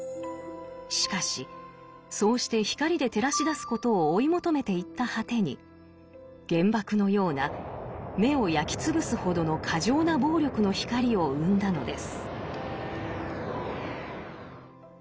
しかしそうして光で照らし出すことを追い求めていった果てに原爆のような目を焼き潰すほどの過剰な暴力の光を生んだのです。